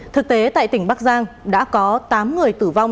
thực tế tại tỉnh bắc giang đã có tám người tử vong